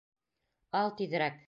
Ал тиҙерәк!